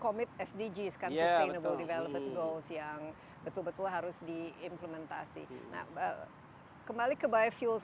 commit sdgs kan sustainable development goals yang betul betul harus diimplementasi nah kembali ke biofuels